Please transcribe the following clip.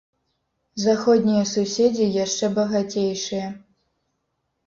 Заходнія суседзі яшчэ багацейшыя.